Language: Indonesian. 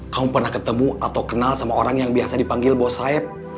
kamu pernah ketemu atau kenal sama orang yang biasa dipanggil bos saib